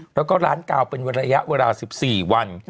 แล้วก็ร้านกาวเป็นระยะเวลา๑๔วัน